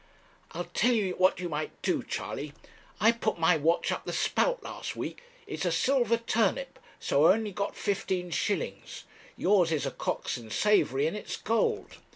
'I'll tell you what you might do, Charley. I put my watch up the spout last week. It's a silver turnip, so I only got fifteen shillings; yours is a Cox and Savary, and it's gold.